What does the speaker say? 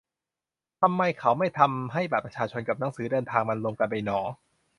ทำไมเขาไม่ทำให้บัตรประชาชนกับหนังสือเดินทางมันรวมกันไปหนอ